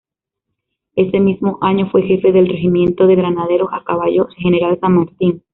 Ese mismo año fue jefe del Regimiento de Granaderos a Caballo General San Martín.